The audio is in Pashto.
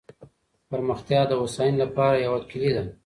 پرمختيا د هوساينې لپاره يوه کلۍ ده.